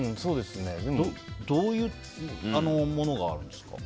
どういうものがあるんですか？